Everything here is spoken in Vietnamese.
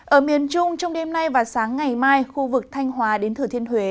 ở miền trung trong đêm nay và sáng ngày mai khu vực thanh hòa đến thừa thiên huế